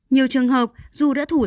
nhiều trường hợp dù đã thủ sát